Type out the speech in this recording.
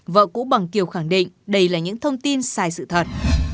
vợ cũ bằng kiều khẳng định đây là những thông tin sai sự thật